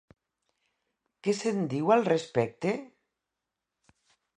Què se'n diu al respecte?